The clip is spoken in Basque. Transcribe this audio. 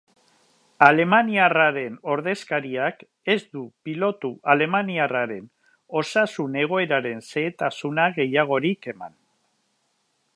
Alemaniarraren ordezkariak ez du pilotu alemaniarraren osasun egoeraren xehetasuna gehiagorik eman.